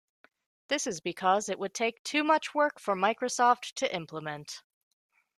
This is because it would take too much work for Microsoft to implement.